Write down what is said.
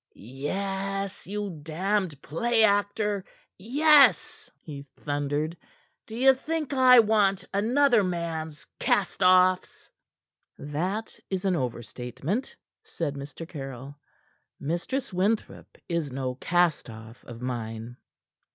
"Yes, you damned play actor! Yes!" he thundered. "D'ye think I want another man's cast offs?" "That is an overstatement," said Mr. Caryll. "Mistress Winthrop is no cast off of mine."